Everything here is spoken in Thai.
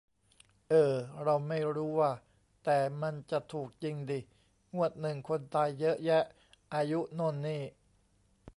เอ่อเราไม่รู้ว่ะ แต่มันจะถูกจิงดิ งวดนึงคนตายเยอะแยะ อายุโน่นนี่